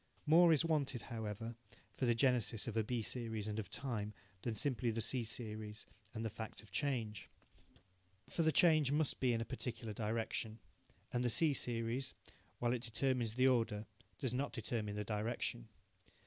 More is wanted, however, for the genesis of a B series and of time than simply the C series and the fact of change. For the change must be in a particular direction. And the C series, while it determines the order, does not determine the direction.